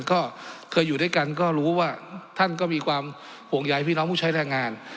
ก็เคยอยู่ด้วยกันก็รู้ว่าท่านก็มีความห่วงใยพี่น้องผู้ใช้แรงงาน